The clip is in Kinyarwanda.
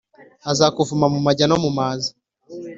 azakuvuma mu majya no mu maza